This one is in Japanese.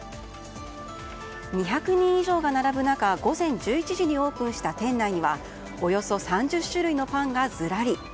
２００人以上が並ぶ中午前１１時にオープンした店内にはおよそ３０種類のパンがずらり。